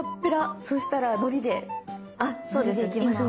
そしたらのりで行きましょう。